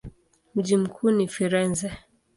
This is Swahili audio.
Mji mkuu ni Firenze.